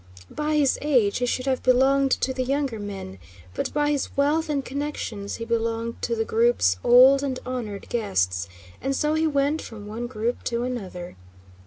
By his age he should have belonged to the younger men, but by his wealth and connections he belonged to the groups of old and honored guests, and so he went from one group to another.